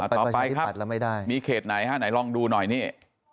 บางครั้งนี้พัดแล้วไม่ได้มีเขตไหนฮะหน่อยลองดูหน่อยนี้